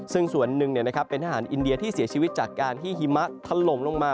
ซึ่งส่วนหนึ่งเป็นทหารอินเดียที่เสียชีวิตจากการที่หิมะถล่มลงมา